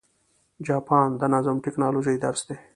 جاپان د نظم او ټکنالوژۍ درس دی.